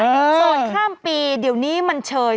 ส่วนข้ามปีเดี๋ยวนี้มันเชย